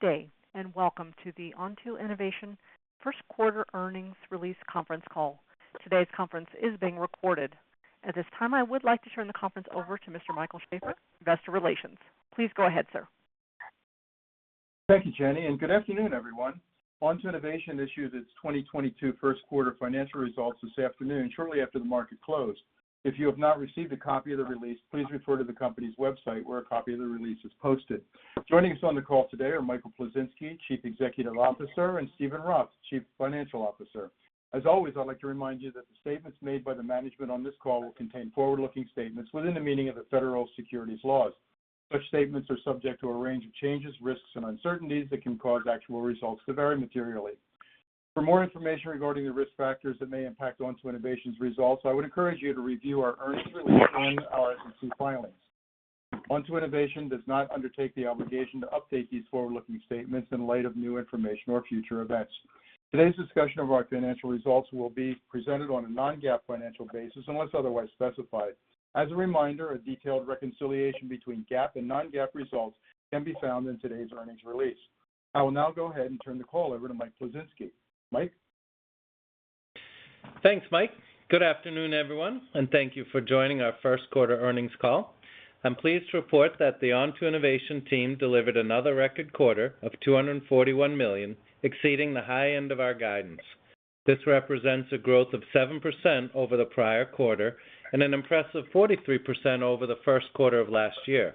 Good day, and welcome to the Onto Innovation Q1 Earnings Release Conference Call. Today's conference is being recorded. At this time, I would like to turn the conference over to Mr. Michael Sheaffer, Investor Relations. Please go ahead, sir. Thank you, Jenny, and good afternoon, everyone. Onto Innovation issued its 2022 Q1 Financial Results this afternoon, shortly after the market closed. If you have not received a copy of the release, please refer to the company's website, where a copy of the release is posted. Joining us on the call today are Michael Plisinski, Chief Executive Officer, and Steven Roth, Chief Financial Officer. As always, I'd like to remind you that the statements made by the management on this call will contain forward-looking statements within the meaning of the federal securities laws. Such statements are subject to a range of changes, risks, and uncertainties that can cause actual results to vary materially. For more information regarding the risk factors that may impact Onto Innovation's results, I would encourage you to review our earnings release and our SEC filings. Onto Innovation does not undertake the obligation to update these forward-looking statements in light of new information or future events. Today's discussion of our Financial Results will be presented on a non-GAAP financial basis, unless otherwise specified. As a reminder, a detailed reconciliation between GAAP and non-GAAP results can be found in today's earnings release. I will now go ahead and turn the call over to Mike Plisinski. Mike? Thanks, Mike. Good afternoon, everyone, and thank you for joining our Q1 Earnings Call. I'm pleased to report that the Onto Innovation team delivered another record quarter of $241 million, exceeding the high end of our guidance. This represents a growth of 7% over the prior quarter and an impressive 43% over Q1 2021.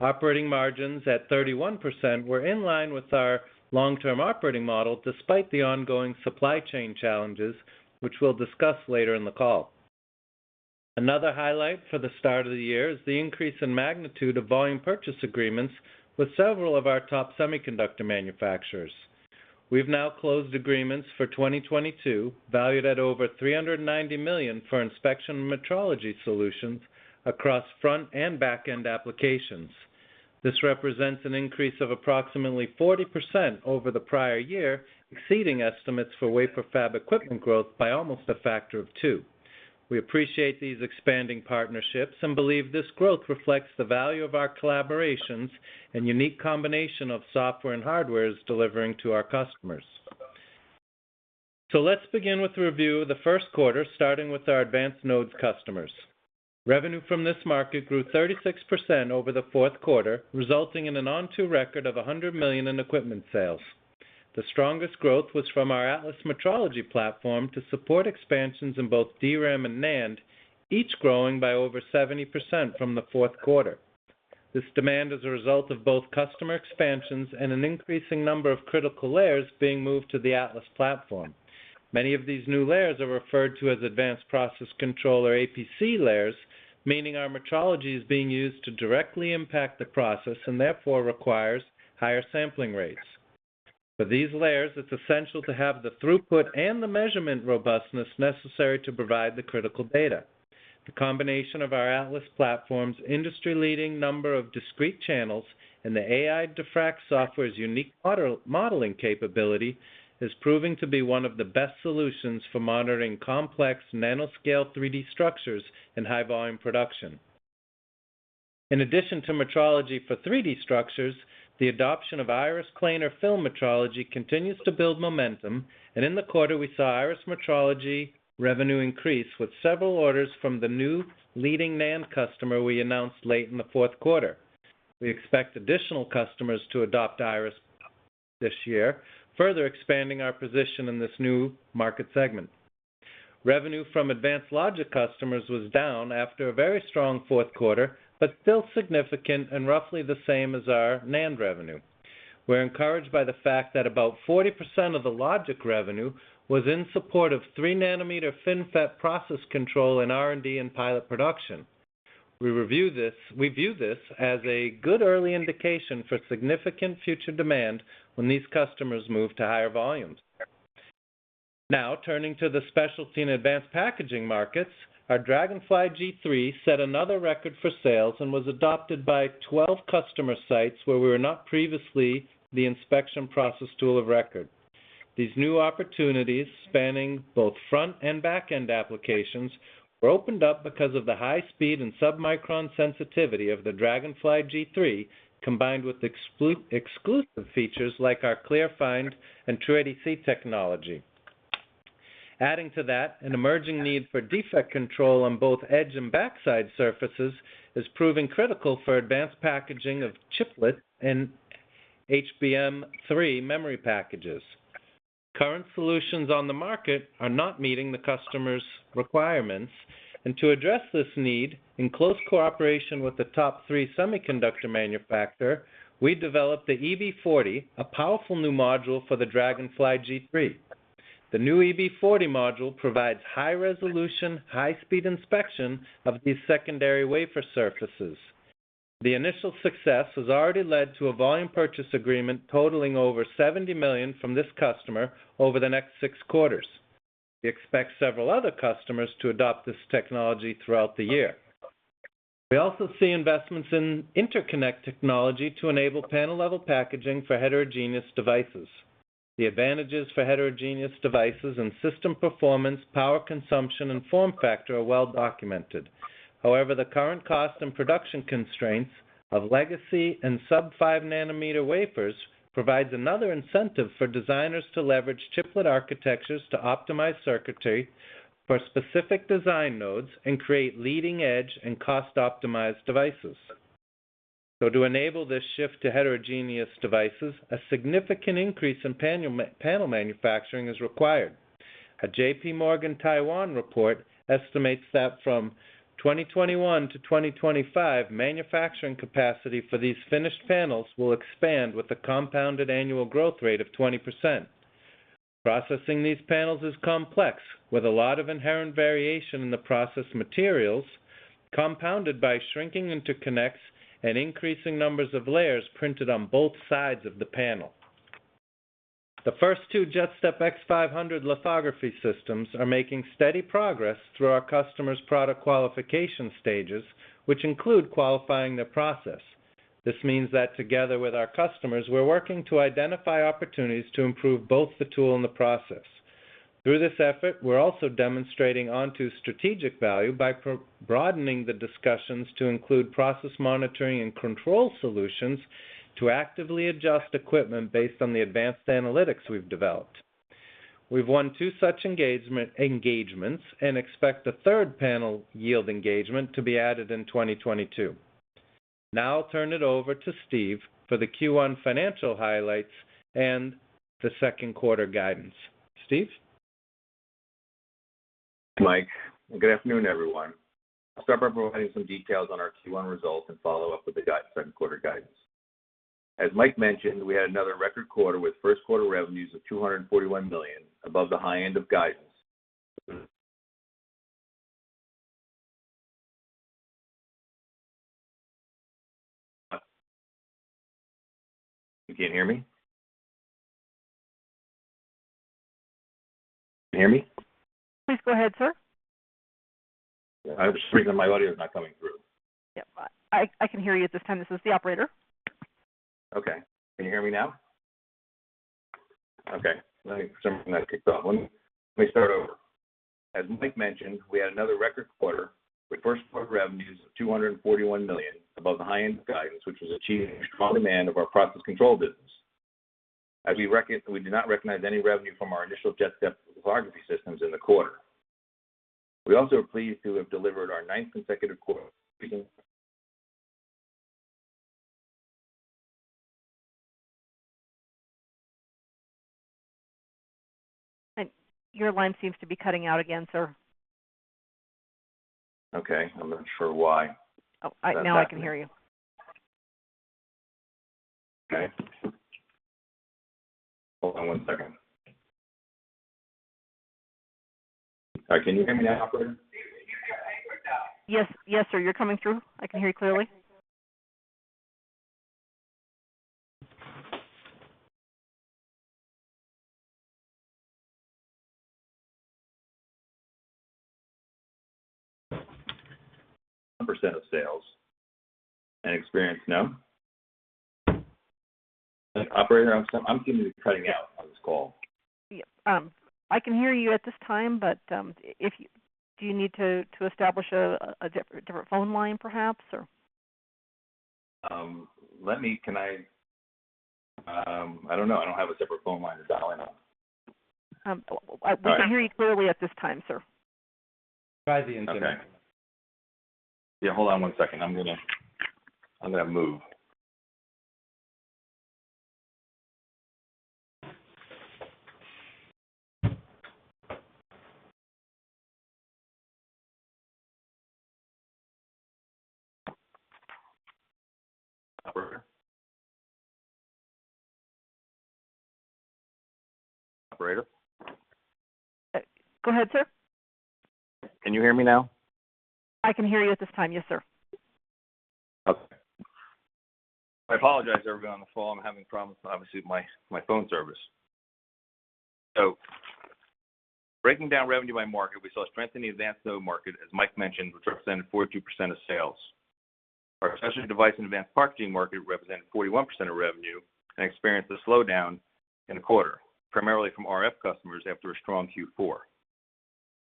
Operating margins at 31% were in line with our long-term operating model despite the ongoing supply chain challenges, which we'll discuss later in the call. Another highlight for the start of the year is the increase in magnitude of volume purchase agreements with several of our top semiconductor manufacturers. We've now closed agreements for 2022, valued at over $390 million for inspection metrology solutions across front-end and back-end applications. This represents an increase of approximately 40% over the prior year, exceeding estimates for wafer fab equipment growth by almost a factor of two. We appreciate these expanding partnerships and believe this growth reflects the value of our collaborations and unique combination of software and hardware delivering to our customers. Let's begin with a review of Q1, starting with our advanced nodes customers. Revenue from this market grew 36% over Q4, resulting in an Onto record of $100 million in equipment sales. The strongest growth was from our Atlas metrology platform to support expansions in both DRAM and NAND, each growing by over 70% from Q4. This demand is a result of both customer expansions and an increasing number of critical layers being moved to the Atlas platform. Many of these new layers are referred to as advanced process control or APC layers, meaning our metrology is being used to directly impact the process and therefore requires higher sampling rates. For these layers, it's essential to have the throughput and the measurement robustness necessary to provide the critical data. The combination of our Atlas platform's industry-leading number of discrete channels and the AI Diffract software's unique model-modeling capability is proving to be one of the best solutions for monitoring complex nanoscale 3D structures in high-volume production. In addition to metrology for 3D structures, the adoption of Iris thin-film metrology continues to build momentum, and in the quarter, we saw Iris metrology revenue increase with several orders from the new leading NAND customer we announced late in Q4. We expect additional customers to adopt Iris this year, further expanding our position in this new market segment. Revenue from advanced logic customers was down after a very strong Q4, but still significant and roughly the same as our NAND revenue. We're encouraged by the fact that about 40% of the logic revenue was in support of 3-nanometer FinFET process control in R&D and pilot production. We view this as a good early indication for significant future demand when these customers move to higher volumes. Now, turning to the specialty and advanced packaging markets, our Dragonfly G3 set another record for sales and was adopted by 12 customer sites where we were not previously the inspection process tool of record. These new opportunities, spanning both front and back-end applications, were opened up because of the high speed and submicron sensitivity of the Dragonfly G3, combined with exclusive features like our ClearFind and TrueADC technology. Adding to that, an emerging need for defect control on both edge and backside surfaces is proving critical for advanced packaging of chiplets and HBM3 memory packages. Current solutions on the market are not meeting the customer's requirements, and to address this need, in close cooperation with the top three semiconductor manufacturers, we developed the EB40, a powerful new module for the Dragonfly G3. The new EB40 module provides high-resolution, high-speed inspection of these secondary wafer surfaces. The initial success has already led to a volume purchase agreement totaling over $70 million from this customer over the next six quarters. We expect several other customers to adopt this technology throughout the year. We also see investments in interconnect technology to enable panel-level packaging for heterogeneous devices. The advantages for heterogeneous devices and system performance, power consumption, and form factor are well documented. However, the current cost and production constraints of legacy and sub-5-nanometer wafers provides another incentive for designers to leverage chiplet architectures to optimize circuitry for specific design nodes and create leading-edge and cost-optimized devices. To enable this shift to heterogeneous devices, a significant increase in panel manufacturing is required. A JPMorgan Taiwan report estimates that from 2021 to 2025, manufacturing capacity for these finished panels will expand with a compounded annual growth rate of 20%. Processing these panels is complex, with a lot of inherent variation in the process materials, compounded by shrinking interconnects and increasing numbers of layers printed on both sides of the panel. The first two JetStep X500 lithography systems are making steady progress through our customers' product qualification stages, which include qualifying their process. This means that together with our customers, we're working to identify opportunities to improve both the tool and the process. Through this effort, we're also demonstrating Onto's strategic value by broadening the discussions to include process monitoring and control solutions to actively adjust equipment based on the advanced analytics we've developed. We've won two such engagements and expect a third panel yield engagement to be added in 2022. Now I'll turn it over to Steven for the Q1 financial highlights and Q2 guidance. Steven. Mike, good afternoon, everyone. I'll start by providing some details on our Q1 results and follow up with Q2 guidance. As Mike mentioned, we had another record quarter with Q1 revenues of $241 million, above the high end of guidance. You can't hear me? Can you hear me? Please go ahead, sir. Yeah. I was just reading my audio is not coming through. Yeah. I can hear you at this time. This is the operator. Okay. Can you hear me now? Okay. Let me see if I can get kicked off. Let me start over. As Mike mentioned, we had another record quarter with Q1 revenues of $241 million above the high end of guidance, which was achieved due to strong demand for our process control business. We did not recognize any revenue from our initial JetStep lithography systems in the quarter. We also are pleased to have delivered our ninth consecutive quarter of. Your line seems to be cutting out again, sir. Okay. I'm not sure why. Now I can hear you. Okay. Hold on one second. All right. Can you hear me now, operator? Yes. Yes, sir. You're coming through. I can hear you clearly. Percent of sales and experience. No? Operator, I'm continuing cutting out on this call. Yeah. I can hear you at this time, but do you need to establish a different phone line perhaps, or? Can I? I don't know. I don't have a separate phone line to dial right now. We can hear you clearly at this time, sir. Okay. Yeah, hold on one second. I'm gonna move. Operator. Operator. Go ahead, sir. Can you hear me now? I can hear you at this time. Yes, sir. Okay. I apologize to everyone on the call. I'm having problems obviously with my phone service. Breaking down revenue by market, we saw strength in the advanced node market, as Mike mentioned, which represented 42% of sales. Our specialty device and advanced packaging market represented 41% of revenue and experienced a slowdown in the quarter, primarily from RF customers after a strong Q4.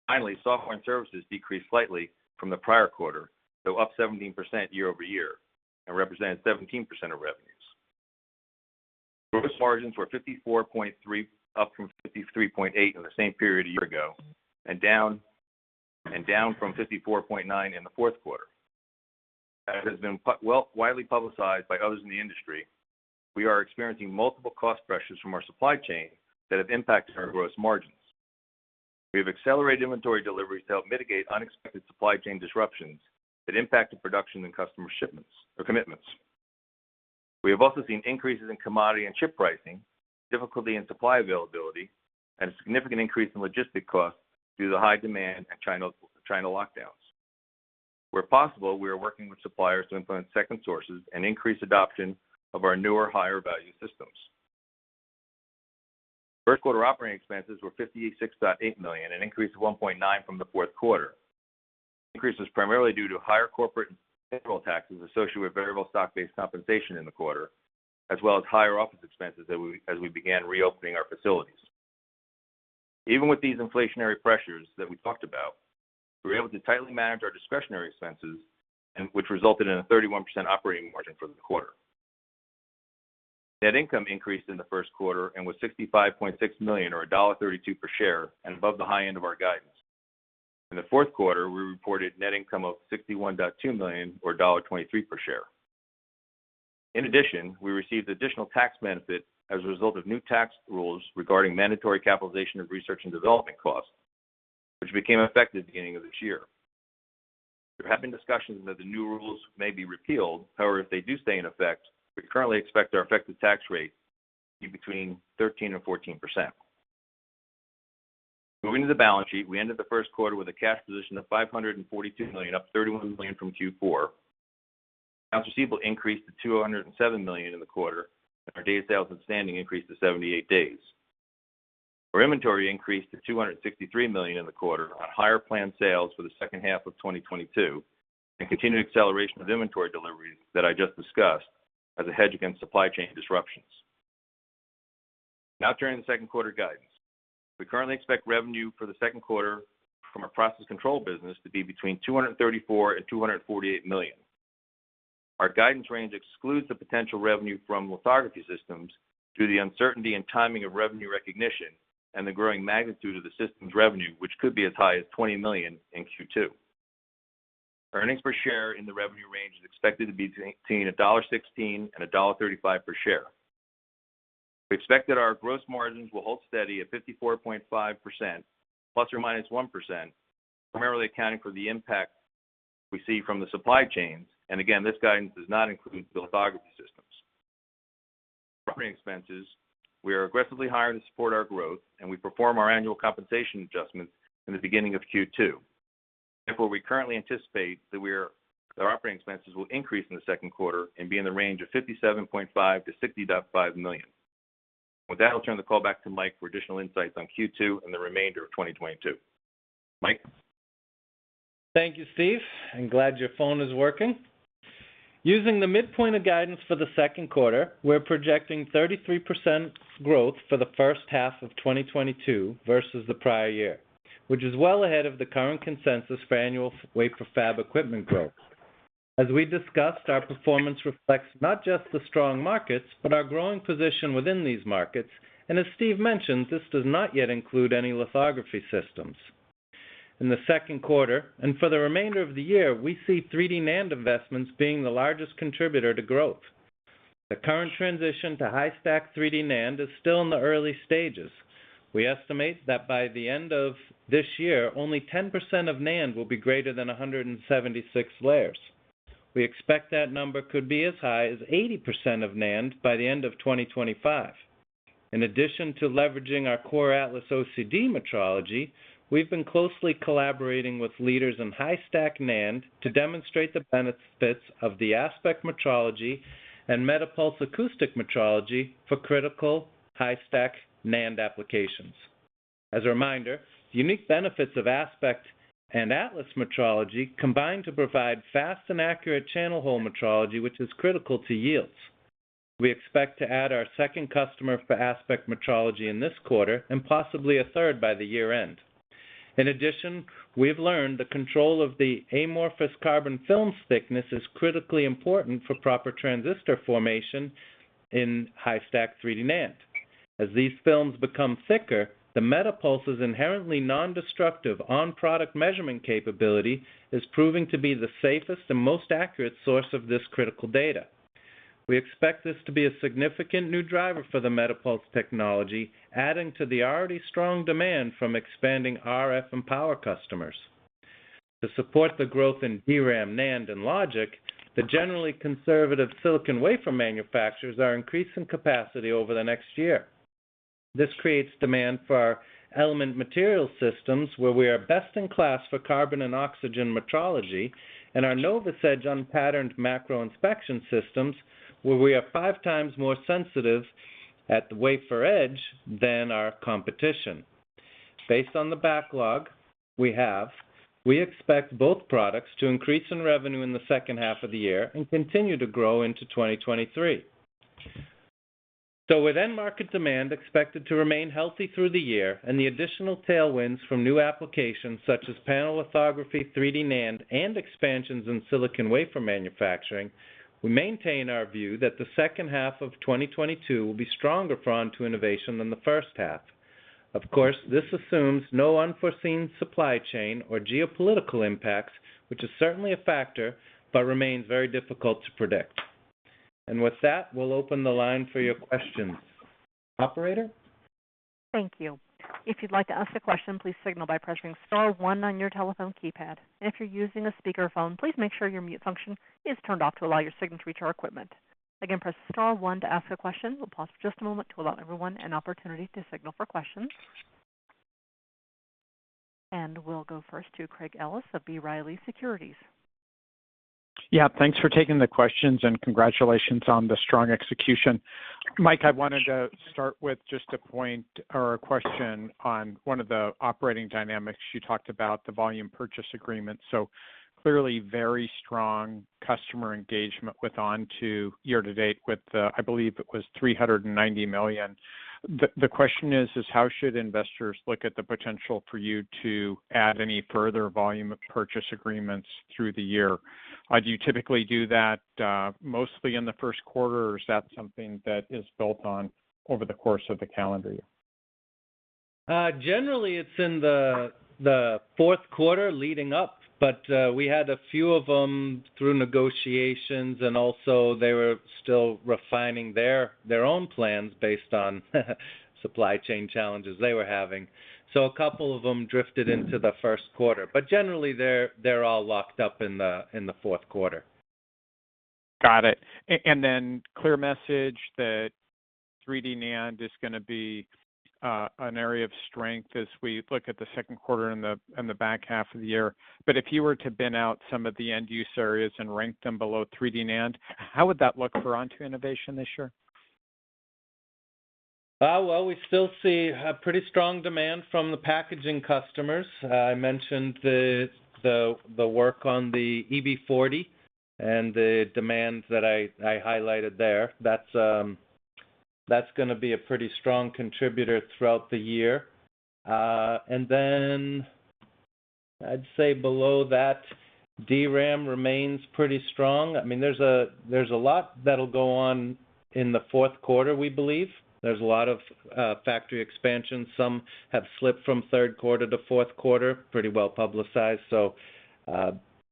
Finally, software and services decreased slightly from the prior quarter, though up 17% year-over-year and represented 17% of revenues. Gross margins were 54.3%, up from 53.8% in the same period a year ago, and down from 54.9% in Q4. As has been widely publicized by others in the industry, we are experiencing multiple cost pressures from our supply chain that have impacted our gross margins. We have accelerated inventory deliveries to help mitigate unexpected supply chain disruptions that impacted production and customer shipments or commitments. We have also seen increases in commodity and chip pricing, difficulty in supply availability, and a significant increase in logistic costs due to the high demand and China lockdowns. Where possible, we are working with suppliers to implement second sources and increase adoption of our newer higher-value systems. Q1 operating expenses were $56.8 million, an increase of $1.9 million from Q4. Increase was primarily due to higher corporate and federal taxes associated with variable stock-based compensation in the quarter, as well as higher office expenses that we began reopening our facilities. Even with these inflationary pressures that we talked about, we were able to tightly manage our discretionary expenses, which resulted in a 31% operating margin for the quarter. Net income increased in Q1 and was $65.6 million, or $1.32 per share, and above the high end of our guidance. In Q4, we reported net income of $61.2 million or $1.23 per share. In addition, we received additional tax benefit as a result of new tax rules regarding mandatory capitalization of research and development costs, which became effective beginning of this year. There have been discussions that the new rules may be repealed. However, if they do stay in effect, we currently expect our effective tax rate to be between 13%-14%. Moving to the balance sheet, we ended Q1 with a cash position of $542 million, up $31 million from Q4. Accounts receivable increased to $207 million in the quarter, and our days sales outstanding increased to 78 days. Our inventory increased to $263 million in the quarter on higher planned sales for H2 2022 and continued acceleration of inventory deliveries that I just discussed as a hedge against supply chain disruptions. Now turning to Q2 guidance. We currently expect revenue for Q2 from our process control business to be between $234 million and $248 million. Our guidance range excludes the potential revenue from lithography systems due to the uncertainty and timing of revenue recognition and the growing magnitude of the system's revenue, which could be as high as $20 million in Q2. Earnings per share in the revenue range is expected to be between $1.16 and $1.35 per share. We expect that our gross margins will hold steady at 54.5% ±1%, primarily accounting for the impact we see from the supply chains. Again, this guidance does not include the lithography systems. Operating expenses, we are aggressively hiring to support our growth, and we perform our annual compensation adjustments in the beginning of Q2. Therefore, we currently anticipate that our operating expenses will increase in Q2 and be in the range of $57.5 million-$60.5 million. With that, I'll turn the call back to Mike for additional insights on Q2 and the remainder of 2022. Mike. Thank you, Steve. I'm glad your phone is working. Using the midpoint of guidance for Q2, we're projecting 33% growth for H1 2022 versus the prior year, which is well ahead of the current consensus for annual wafer fab equipment growth. As we discussed, our performance reflects not just the strong markets, but our growing position within these markets. As Steve mentioned, this does not yet include any lithography systems. In Q2, and for the remainder of the year, we see 3D NAND investments being the largest contributor to growth. The current transition to high stack 3D NAND is still in the early stages. We estimate that by the end of this year, only 10% of NAND will be greater than 176 layers. We expect that number could be as high as 80% of NAND by the end of 2025. In addition to leveraging our core Atlas OCD metrology, we've been closely collaborating with leaders in high-stack NAND to demonstrate the benefits of the Aspect metrology and MetaPulse acoustic metrology for critical high-stack NAND applications. As a reminder, the unique benefits of Aspect and Atlas metrology combine to provide fast and accurate channel hole metrology, which is critical to yields. We expect to add our second customer for Aspect metrology in this quarter and possibly a third by the year end. In addition, we have learned the control of the amorphous carbon film thickness is critically important for proper transistor formation in high-stack 3D NAND. As these films become thicker, the MetaPulse's inherently nondestructive on-product measurement capability is proving to be the safest and most accurate source of this critical data. We expect this to be a significant new driver for the MetaPulse technology, adding to the already strong demand from expanding RF and power customers. To support the growth in DRAM, NAND, and logic, the generally conservative silicon wafer manufacturers are increasing capacity over the next year. This creates demand for our Element material systems, where we are best in class for carbon and oxygen metrology, and our Nova unpatterned macro inspection systems, where we are five times more sensitive at the wafer edge than our competition. Based on the backlog we have, we expect both products to increase in revenue in H2 2022 and continue to grow into 2023. With end market demand expected to remain healthy through the year and the additional tailwinds from new applications such as panel lithography, 3D NAND, and expansions in silicon wafer manufacturing, we maintain our view that H2 2022 will be stronger for Onto Innovation than the first half. Of course, this assumes no unforeseen supply chain or geopolitical impacts, which is certainly a factor but remains very difficult to predict. With that, we'll open the line for your questions. Operator. Thank you. If you'd like to ask a question, please signal by pressing star one on your telephone keypad. If you're using a speakerphone, please make sure your mute function is turned off to allow your signal to reach our equipment. Again, press star one to ask a question. We'll pause for just a moment to allow everyone an opportunity to signal for questions. We'll go first to Craig Ellis of B. Riley Securities. Yeah, thanks for taking the questions, and congratulations on the strong execution. Mike, I wanted to start with just a point or a question on one of the operating dynamics. You talked about the volume purchase agreement, so clearly, very strong customer engagement with Onto year-to-date with, I believe it was $390 million. The question is, how should investors look at the potential for you to add any further volume purchase agreements through the year? Do you typically do that, mostly in Q1, or is that something that is built on over the course of the calendar year? Generally, it's in Q4 leading up, but we had a few of them through negotiations, and also, they were still refining their own plans based on supply chain challenges they were having. A couple of them drifted into Q1. Generally, they're all locked up in Q4. Got it. And then a clear message that 3D NAND is gonna be an area of strength as we look at Q2 and the back half of the year. If you were to bin out some of the end-use areas and rank them below 3D NAND, how would that look for Onto Innovation this year? Well, we still see a pretty strong demand from the packaging customers. I mentioned the work on the EB40 and the demands that I highlighted there. That's gonna be a pretty strong contributor throughout the year. I'd say below that, DRAM remains pretty strong. I mean, there's a lot that'll go on in Q4, we believe. There's a lot of factory expansion. Some have slipped from Q3 to Q4, pretty well-publicized, so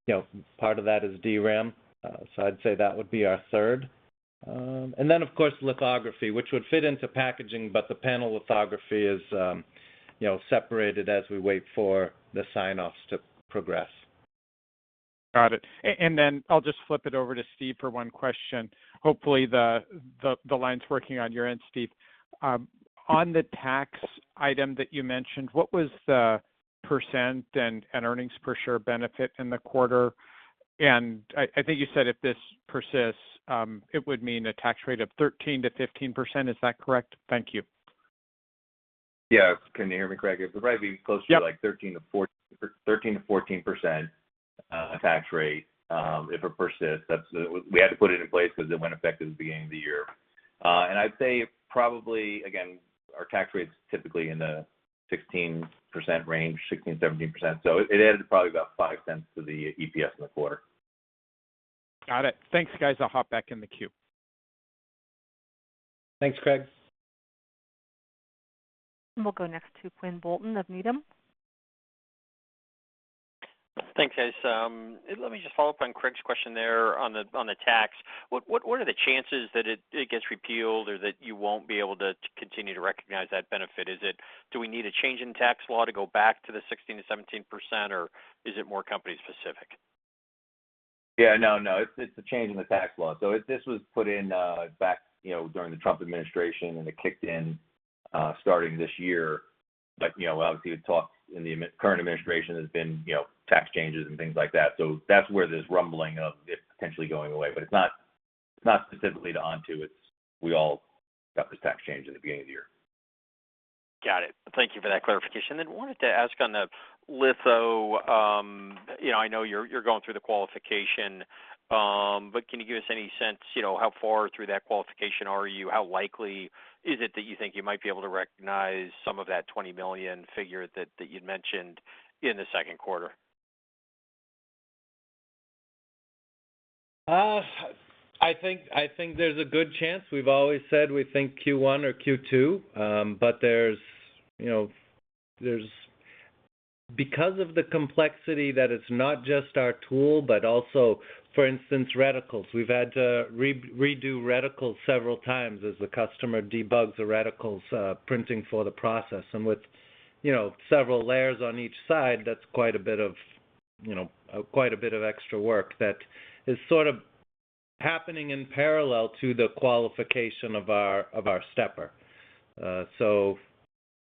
you know, part of that is DRAM. I'd say that would be our third. Of course, lithography, which would fit into packaging, but the panel lithography is, you know, separated as we wait for the sign-offs to progress. Got it. I'll just flip it over to Steve for one question. Hopefully the line's working on your end, Steve. On the tax item that you mentioned, what was the percent and earnings per share benefit in the quarter? I think you said if this persists, it would mean a tax rate of 13%-15%. Is that correct? Thank you. Yeah. Can you hear me, Craig? It would probably be closer- Yep to like 13%-14% tax rate, if it persists. We had to put it in place because it went effective at the beginning of the year. I'd say probably, again, our tax rate's typically in the 16% range, 16%-17%. It added probably about $0.05 to the EPS in the quarter. Got it. Thanks, guys. I'll hop back in the queue. Thanks, Craig. We'll go next to Quinn Bolton of Needham. Thanks, guys. Let me just follow up on Craig's question there on the tax. What are the chances that it gets repealed or that you won't be able to continue to recognize that benefit? Do we need a change in tax law to go back to the 16%-17%, or is it more company specific? Yeah, no. It's a change in the tax law. This was put in back, you know, during the Trump administration, and it kicked in starting this year. You know, obviously with talks in the current administration, there's been, you know, tax changes and things like that. That's where there's rumbling of it potentially going away. It's not specifically to Onto. We all got this tax change in the beginning of the year. Got it. Thank you for that clarification. Wanted to ask on the litho, you know, I know you're going through the qualification, but can you give us any sense, you know, how far through that qualification are you? How likely is it that you think you might be able to recognize some of that $20 million figure that you'd mentioned in Q2? I think there's a good chance. We've always said we think Q1 or Q2, but there's, you know, there's because of the complexity that it's not just our tool but also, for instance, reticles. We've had to redo reticles several times as the customer debugs the reticles printing for the process. With, you know, several layers on each side, that's quite a bit of extra work that is sort of happening in parallel to the qualification of our stepper. So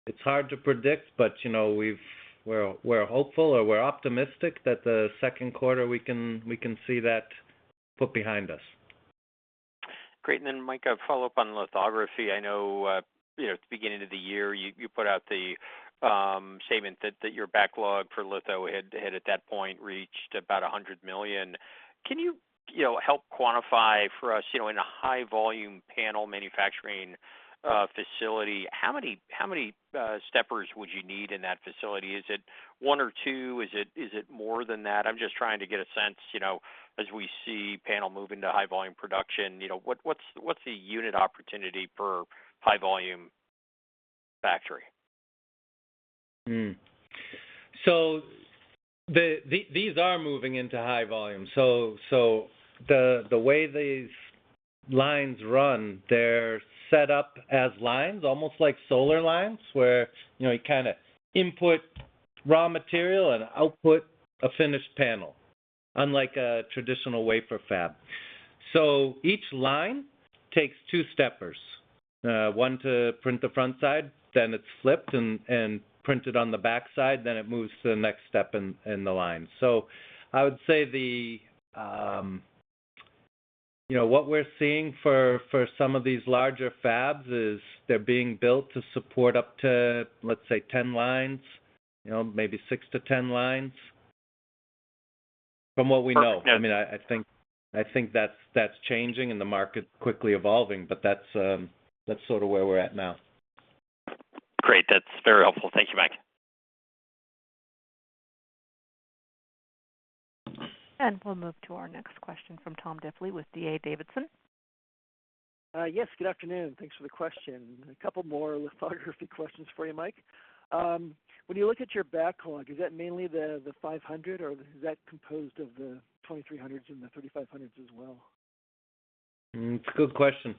it's hard to predict, but, you know, we're hopeful or we're optimistic that Q2 we can see that put behind us. Great. Then Mike, a follow-up on lithography. I know, you know, at the beginning of the year, you put out the statement that your backlog for litho had at that point reached about $100 million. Can you know, help quantify for us, you know, in a high-volume panel manufacturing facility, how many steppers would you need in that facility? Is it one or two? Is it more than that? I'm just trying to get a sense, you know, as we see panel move into high-volume production. You know, what's the unit opportunity per high-volume factory? These are moving into high volume. The way these lines run, they're set up as lines, almost like solar lines, where, you know, you kind of input raw material and output a finished panel, unlike a traditional wafer fab. Each line takes two steppers, one to print the front side, then it's flipped and printed on the backside, then it moves to the next step in the line. I would say what we're seeing for some of these larger fabs is they're being built to support up to, let's say, 10 lines, you know, maybe six to ten lines from what we know. Perfect. Yeah. I mean, I think that's changing and the market quickly evolving, but that's sort of where we're at now. Great. That's very helpful. Thank you, Mike. We'll move to our next question from Tom Diffely with D.A. Davidson. Yes, good afternoon. Thanks for the question. A couple more lithography questions for you, Mike. When you look at your backlog, is that mainly the 500, or is that composed of the 2,300s and the 3,500s as well? It's a good question.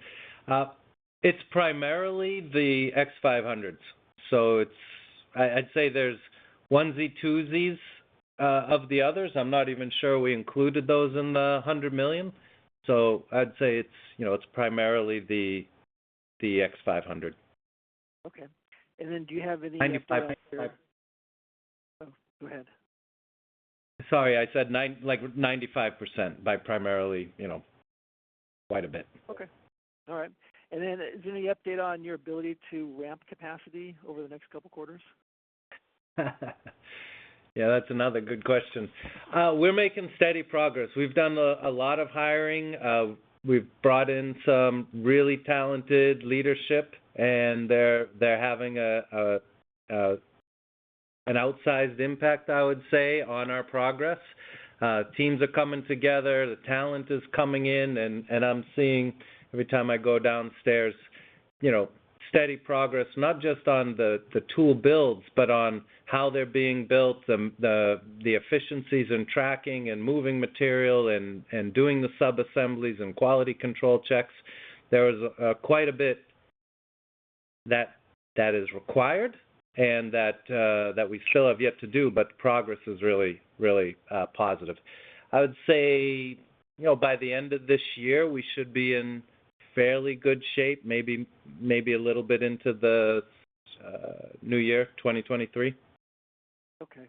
It's primarily the X 500s. I'd say there's onesie-twosies of the others. I'm not even sure we included those in the $100 million. I'd say it's, you know, it's primarily the X 500. Okay. Do you have any- Ninety-five. Oh, go ahead. Sorry. I said like 95% by primarily, you know, quite a bit. Okay. All right. Is there any update on your ability to ramp capacity over the next couple quarters? Yeah, that's another good question. We're making steady progress. We've done a lot of hiring. We've brought in some really talented leadership, and they're having an outsized impact, I would say, on our progress. Teams are coming together. The talent is coming in, and I'm seeing every time I go downstairs, you know, steady progress, not just on the tool builds, but on how they're being built, the efficiencies in tracking and moving material and doing the sub-assemblies and quality control checks. There is quite a bit that is required and that we still have yet to do, but the progress is really positive. I would say, you know, by the end of this year, we should be in fairly good shape, maybe a little bit into the new year, 2023. Okay.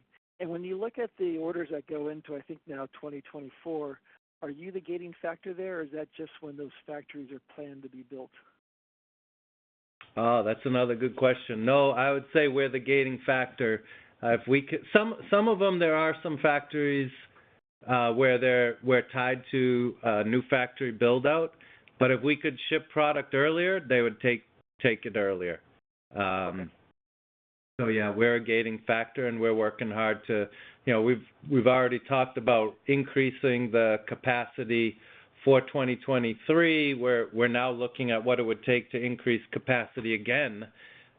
When you look at the orders that go into, I think now 2024, are you the gating factor there, or is that just when those factories are planned to be built? Oh, that's another good question. No, I would say we're the gating factor. Some of them, there are some factories where we're tied to a new factory build-out, but if we could ship product earlier, they would take it earlier. Yeah, we're a gating factor, and we're working hard to you know, we've already talked about increasing the capacity for 2023, where we're now looking at what it would take to increase capacity again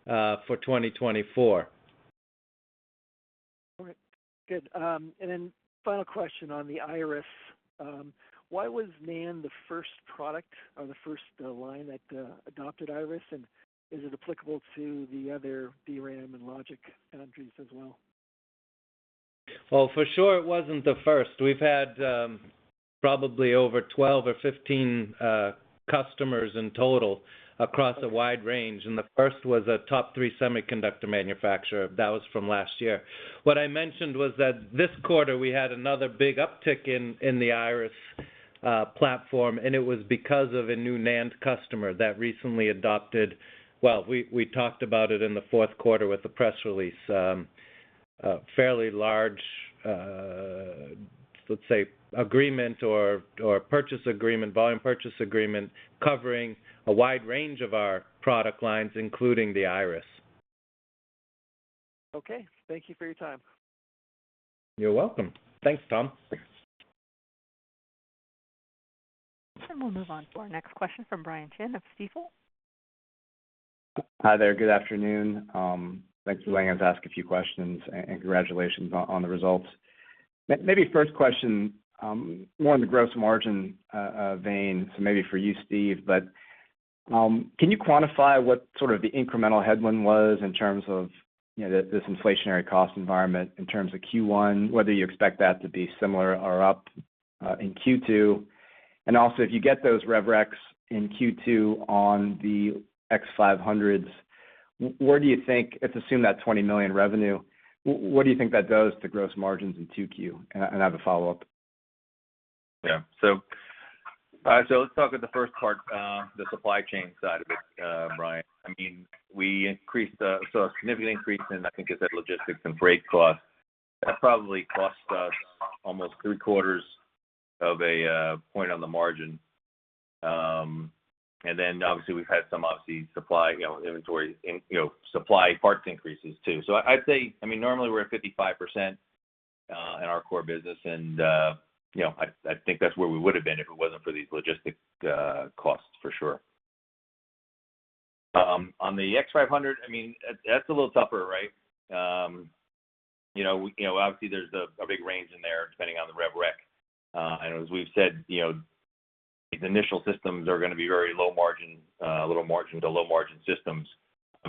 for 2024. All right. Good. Final question on the Iris. Why was NAND the first product or the first line that adopted Iris, and is it applicable to the other DRAM and logic entries as well? Well, for sure it wasn't the first. We've had probably over 12 or 15 customers in total across a wide range, and the first was a top three semiconductor manufacturer. That was from last year. What I mentioned was that this quarter we had another big uptick in the Iris platform, and it was because of a new NAND customer that recently adopted. We talked about it in Q4 with the press release, a fairly large, let's say agreement or purchase agreement, volume purchase agreement, covering a wide range of our product lines, including the Iris. Okay. Thank you for your time. You're welcome. Thanks, Tom. We'll move on to our next question from Brian Chin of Stifel. Hi there. Good afternoon. Thanks for letting us ask a few questions, and congratulations on the results. Maybe first question, more in the gross margin vein, so maybe for you, Steve. Can you quantify what sort of the incremental headwind was in terms of, you know, this inflationary cost environment in terms of Q1, whether you expect that to be similar or up in Q2? And also, if you get those rev recs in Q2 on the X five hundreds, where do you think, let's assume that $20 million revenue, what do you think that does to gross margins in 2Q? And I have a follow-up. Yeah, let's talk about the first part, the supply chain side of it, Brian. I mean, we saw a significant increase in, I think, in logistics and freight costs. That probably cost us almost three-quarters of a point on the margin. Then obviously, we've had some obvious supply, you know, inventory and, you know, supply parts increases too. I'd say, I mean, normally we're at 55% in our core business and, you know, I think that's where we would have been if it wasn't for these logistics costs for sure. On the X 500, I mean, that's a little tougher, right? You know, obviously there's a big range in there depending on the Revenue Recognition. As we've said, you know, these initial systems are gonna be very low margin, little margin to low margin systems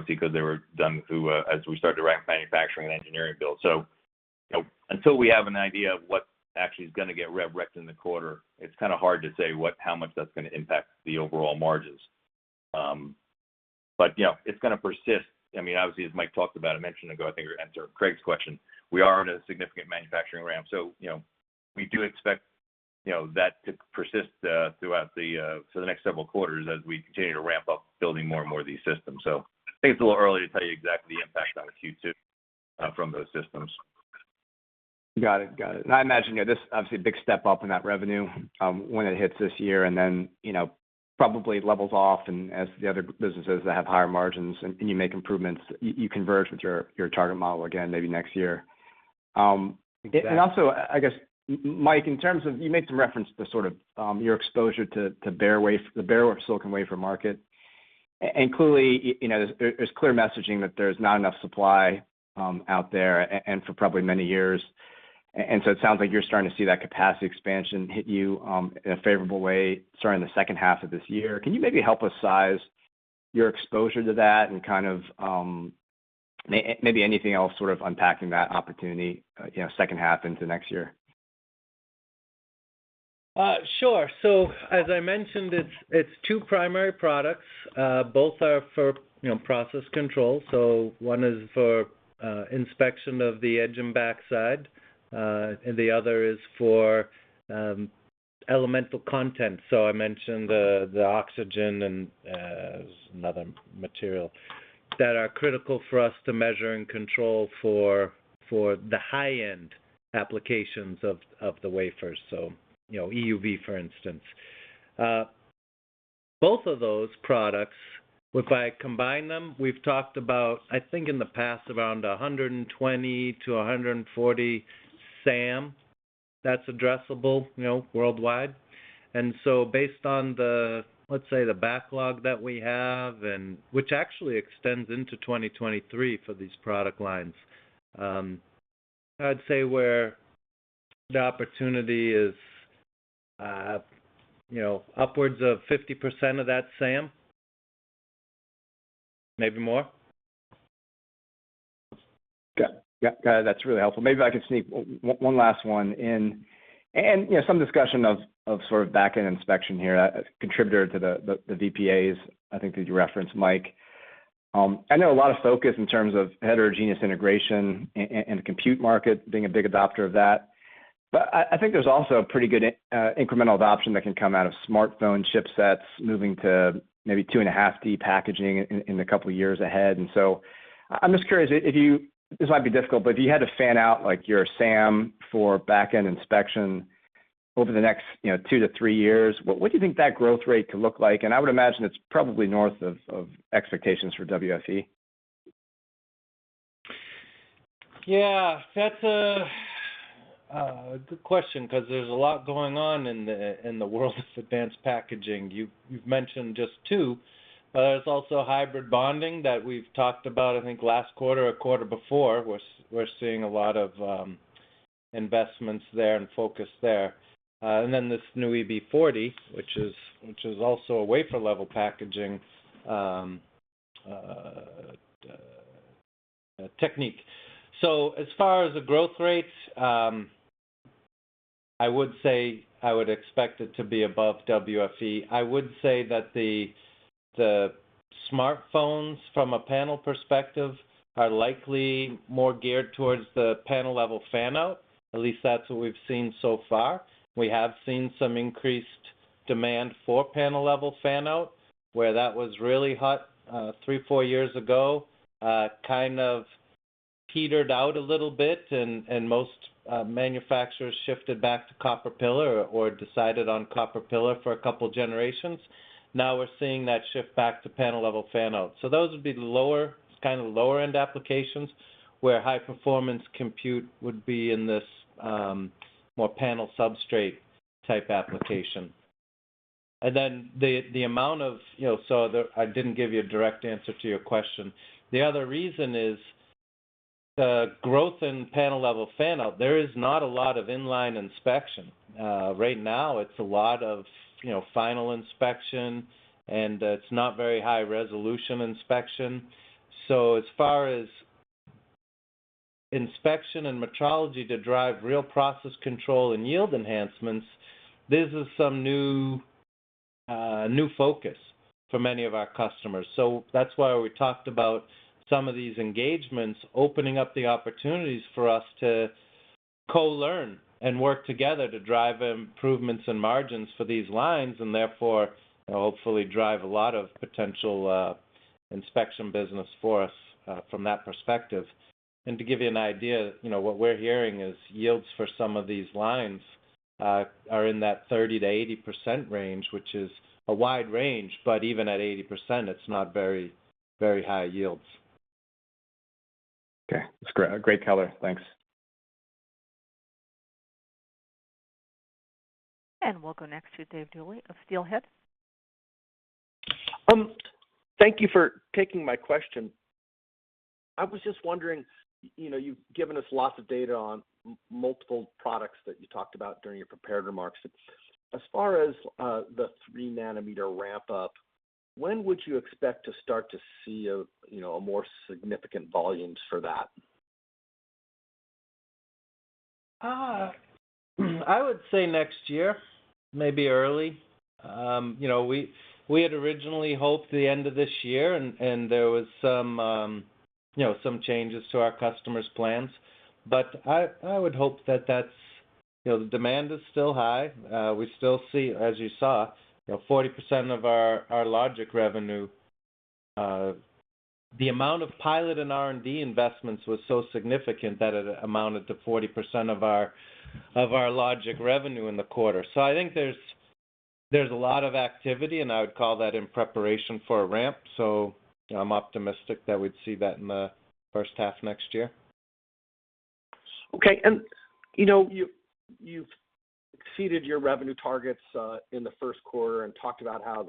because they were done through, as we started direct manufacturing and engineering build. Until we have an idea of what actually is gonna get revenue recognized in the quarter, it's kind of hard to say what, how much that's gonna impact the overall margins. You know, it's gonna persist. I mean, obviously, as Mike talked about a minute ago, I think in answer to Craig's question, we are in a significant manufacturing ramp. You know, we do expect, you know, that to persist throughout for the next several quarters as we continue to ramp up building more and more of these systems. I think it's a little early to tell you exactly the impact on Q2 from those systems. Got it. I imagine, you know, this is obviously a big step up in that revenue; when it hits this year, and then, you know, probably levels of, and as the other businesses that have higher margins and you make improvements, you converge with your target model again, maybe next year. Exactly. I guess, Mike, in terms of you made some reference to sort of your exposure to the bare silicon wafer market. Clearly, you know, there's clear messaging that there's not enough supply out there and for probably many years. It sounds like you're starting to see that capacity expansion hit you in a favorable way starting H2, 2022. Can you maybe help us size your exposure to that and kind of maybe anything else sort of unpacking that opportunity, you know, H2, 2023? Sure. As I mentioned, it's two primary products. Both are for, you know, process control. One is for inspection of the edge and backside, and the other is for elemental content. I mentioned the oxygen and there's another material that are critical for us to measure and control for the high-end applications of the wafers. You know, EUV, for instance. Both of those products, if I combine them, we've talked about, I think in the past, around 120-140 SAM that's addressable, you know, worldwide. Based on the, let's say, the backlog that we have and which actually extends into 2023 for these product lines, I'd say where the opportunity is, you know, upwards of 50% of that SAM, maybe more. Got it. Yeah. Got it. That's really helpful. Maybe I can sneak one last one in, and you know, some discussion of sort of back-end inspection here, a contributor to the VPAs, I think that you referenced, Mike. I know a lot of focus in terms of heterogeneous integration in the compute market, being a big adopter of that. I think there's also a pretty good incremental adoption that can come out of smartphone chipsets moving to maybe 2.5D packaging in the couple of years ahead. I'm just curious. This might be difficult, but if you had to fan out, like, your SAM for back-end inspection over the next, you know, 2-3 years, what do you think that growth rate could look like? I would imagine it's probably north of expectations for WFE. Yeah, that's a good question because there's a lot going on in the world of advanced packaging. You've mentioned just two, but there's also hybrid bonding that we've talked about, I think, last quarter or quarter before. We're seeing a lot of investments there and focus there. And then this new EB40, which is also a wafer level packaging technique. So as far as the growth rates, I would say I would expect it to be above WFE. I would say that the smartphones from a panel perspective are likely more geared towards the panel level fan-out. At least that's what we've seen so far. We have seen some increased demand for panel level fan-out, where that was really hot 3, 4 years ago, kind of petered out a little bit and most manufacturers shifted back to copper pillar or decided on copper pillar for a couple generations. Now we're seeing that shift back to panel level fan-out. Those would be the lower, kind of lower end applications, where high performance compute would be in this more panel substrate type application. I didn't give you a direct answer to your question. The other reason is the growth in panel level fan-out. There is not a lot of inline inspection. Right now it's a lot of, you know, final inspection, and it's not very high resolution inspection. As far as inspection and metrology to drive real process control and yield enhancements, this is some new focus for many of our customers. That's why we talked about some of these engagements opening up the opportunities for us to co-learn and work together to drive improvements in margins for these lines and therefore hopefully drive a lot of potential inspection business for us from that perspective. To give you an idea, you know, what we're hearing is yields for some of these lines are in that 30%-80% range, which is a wide range, but even at 80%, it's not very, very high yields. Okay. That's great. Great color. Thanks. We'll go next to David Duley of Steelhead. Thank you for taking my question. I was just wondering, you know, you've given us lots of data on multiple products that you talked about during your prepared remarks. As far as the 3 nanometer ramp up When would you expect to start to see, you know, a more significant volumes for that? I would say next year, maybe early. You know, we had originally hoped the end of this year, and there was some, you know, some changes to our customers' plans. I would hope that that's. You know, the demand is still high. We still see, as you saw, you know, 40% of our logic revenue. The amount of pilot and R&D investments was so significant that it amounted to 40% of our logic revenue in the quarter. I think there's a lot of activity, and I would call that in preparation for a ramp. I'm optimistic that we'd see that in H1 2023. Okay. You know, you've exceeded your revenue targets in Q1 and talked about how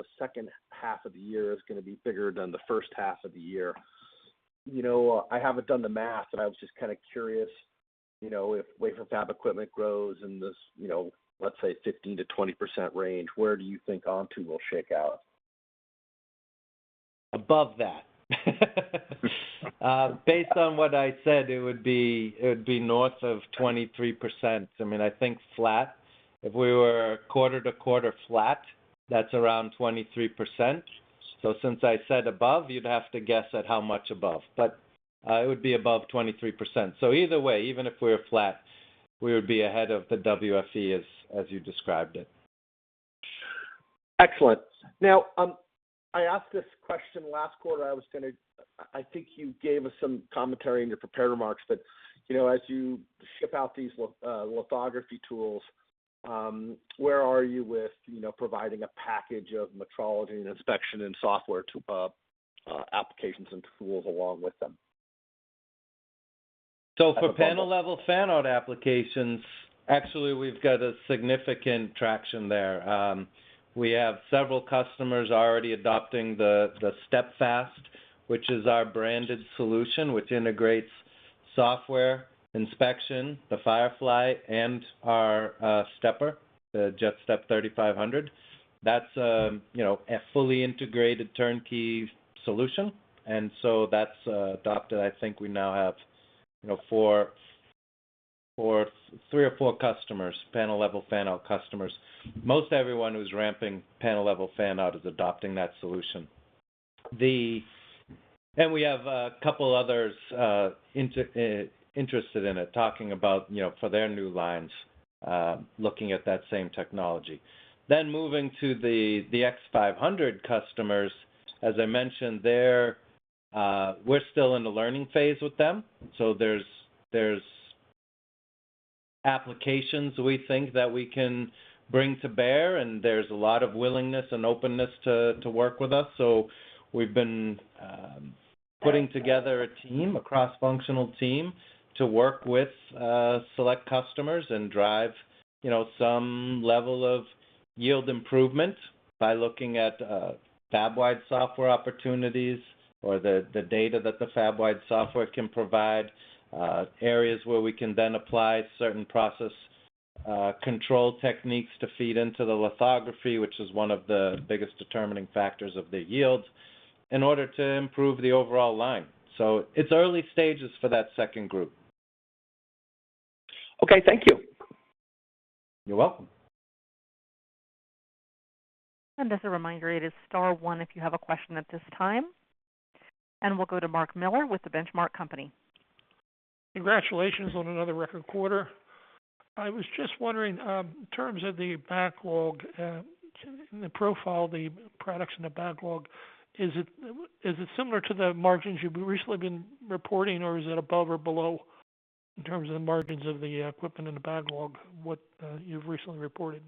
H2 is gonna be bigger than H1 2022 You know, I haven't done the math, and I was just kinda curious, you know, if wafer fab equipment grows in this, you know, let's say 15%-20% range, where do you think Onto will shake out? Above that. Based on what I said, it would be north of 23%. I mean, I think flat. If we were quarter-to-quarter flat, that's around 23%. Since I said above, you'd have to guess at how much above. It would be above 23%. Either way, even if we're flat, we would be ahead of the WFE, as you described it. Excellent. Now, I asked this question last quarter. I think you gave us some commentary in your prepared remarks. You know, as you ship out these lithography tools, where are you with, you know, providing a package of metrology and inspection and software to applications and tools along with them? For panel level fan-out applications, actually, we've got a significant traction there. We have several customers already adopting the StepFAST, which is our branded solution, which integrates software inspection, the Firefly and our stepper, the JetStep 3500. That's, you know, a fully integrated turnkey solution, and so that's adopted. I think we now have, you know, three or four customers, panel level fan-out customers. Most everyone who's ramping panel level fan-out is adopting that solution. We have a couple others interested in it, talking about, you know, for their new lines, looking at that same technology. Moving to the X-500 customers, as I mentioned there, we're still in the learning phase with them, so there's applications we think that we can bring to bear, and there's a lot of willingness and openness to work with us. So we've been putting together a team, a cross-functional team to work with select customers and drive, you know, some level of yield improvement by looking at fab-wide software opportunities or the data that the fab-wide software can provide, areas where we can then apply certain process control techniques to feed into the lithography, which is one of the biggest determining factors of the yields, in order to improve the overall line. So it's early stages for that second group. Okay, thank you. You're welcome. As a reminder, it is star one if you have a question at this time. We'll go to Mark Miller with The Benchmark Company. Congratulations on another record quarter. I was just wondering, in terms of the backlog, in the profile, the products in the backlog, is it similar to the margins you've recently been reporting, or is it above or below in terms of the margins of the equipment in the backlog, what you've recently reported?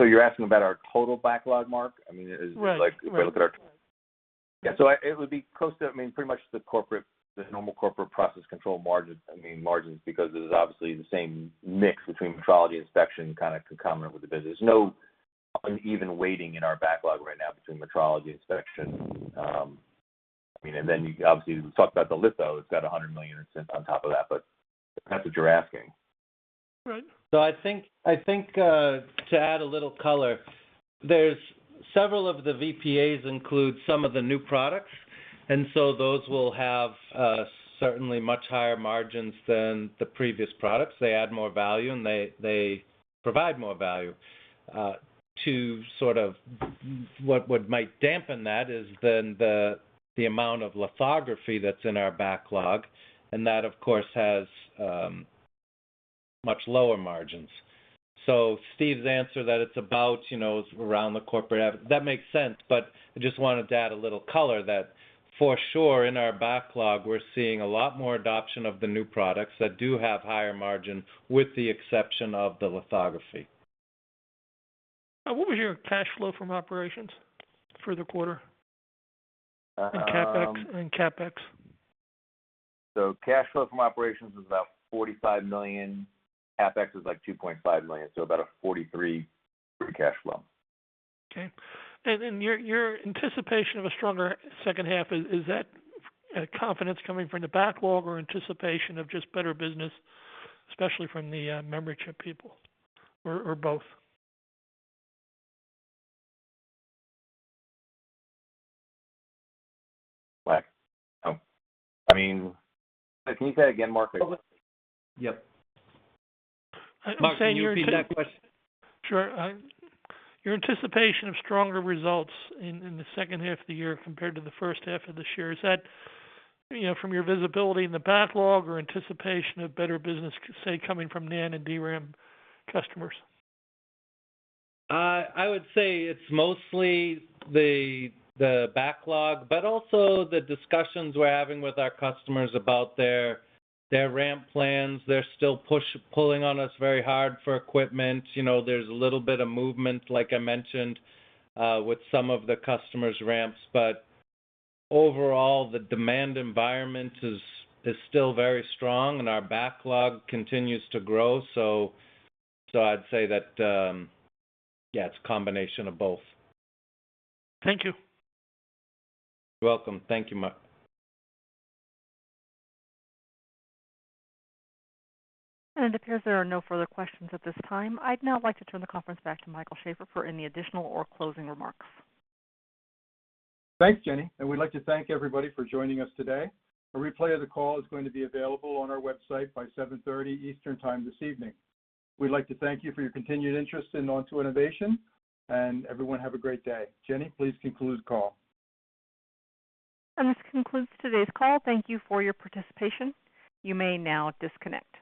You're asking about our total backlog, Mark? I mean, is- Right. Right. If I look at our, it would be close to, I mean, pretty much the corporate, the normal corporate process control margin, I mean, margins, because it is obviously the same mix between metrology, inspection, kind of concomitant with the business. No uneven weighting in our backlog right now between metrology, inspection. I mean, then you obviously talked about the litho. It's got $100 million on top of that, but if that's what you're asking. Right. I think to add a little color, there's several of the VPAs include some of the new products, and those will have certainly much higher margins than the previous products. They add more value, and they provide more value. To sort of what might dampen that is then the amount of lithography that's in our backlog, and that, of course, has much lower margins. Steve's answer that it's about, you know, say around the corporate average, that makes sense, but I just wanted to add a little color that for sure in our backlog, we're seeing a lot more adoption of the new products that do have higher margin with the exception of the lithography. What was your cash flow from operations for the quarter? Uh, um-... CapEx? Cash flow from operations was about $45 million. CapEx is, like, $2.5 million, so about $43 million free cash flow. Okay. Then your anticipation of a stronger H2, is that confidence coming from the backlog or anticipation of just better business, especially from the memory chip people or both? Like, I mean, can you say again, Mark? Well. Yep. I'm saying your. Mark, can you repeat that question? Sure. Your anticipation of stronger results in H2 compared to H1 2022, is that, you know, from your visibility in the backlog or anticipation of better business, say, coming from NAND and DRAM customers? I would say it's mostly the backlog, but also the discussions we're having with our customers about their ramp plans. They're still pushing on us very hard for equipment. You know, there's a little bit of movement, like I mentioned, with some of the customers' ramps. Overall, the demand environment is still very strong, and our backlog continues to grow. I'd say that, yeah, it's a combination of both. Thank you. You're welcome. Thank you, Mark. It appears there are no further questions at this time. I'd now like to turn the conference back to Michael Sheaffer for any additional or closing remarks. Thanks, Jenny, and we'd like to thank everybody for joining us today. A replay of the call is going to be available on our website by 7:30 P.M. Eastern Time this evening. We'd like to thank you for your continued interest in Onto Innovation, and everyone, have a great day. Jenny, please conclude the call. This concludes today's call. Thank you for your participation. You may now disconnect.